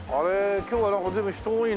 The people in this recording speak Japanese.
今日はなんか随分人多いな。